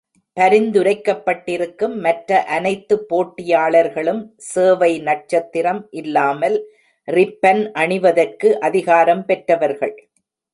பரிந்துரைக்கப்பட்டிருக்கும் மற்ற அனைத்து போட்டியாளர்களும் சேவை நட்சத்திரம் இல்லாமல் ரிப்பன் அணிவதற்கு அதிகாரம் பெற்றவர்கள்.